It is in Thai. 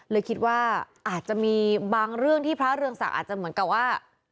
เลยคิดว่าอาจจะมีบางเรื่องที่พระเรืองศักดิ์อาจจะเหมือนกับว่า